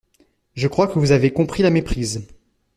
Je crois que vous avez compris la méprise.